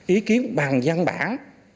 ý kiến bằng văn bản